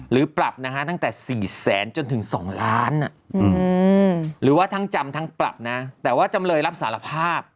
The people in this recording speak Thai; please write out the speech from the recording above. หรือปรับนะฮะตั้งแต่๔แสนจนถึง๒ล้านหรือว่าทั้งจำทั้งปรับนะแต่ว่าจำเลยรับสารภาพ